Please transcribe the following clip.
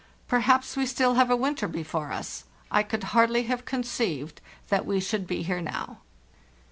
Perhaps we still have a winter before us. I could hardly have conceived that we should be here now!